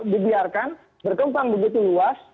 dibiarkan berkempang begitu luas